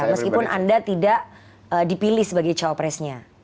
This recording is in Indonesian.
meskipun anda tidak dipilih sebagai jawab presnya